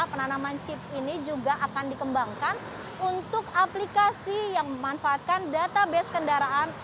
penanaman chip ini juga akan dikembangkan untuk aplikasi yang memanfaatkan database kendaraan